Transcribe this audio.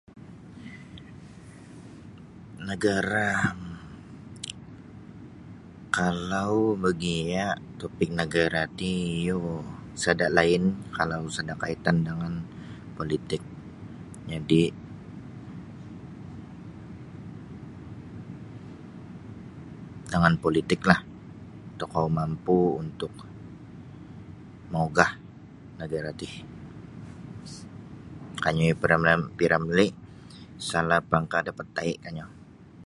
Nagara um kalau magia topik nagara ti iyo sada lain kalau sada kaitan dangan politik jadi dangan politik lah tokou mampu untuk maugah da nagara ti kanyu da P Ramlee salah pangkah dapat tai' kanyu.